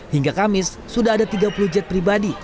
hingga kamis sudah ada tiga puluh jet pribadi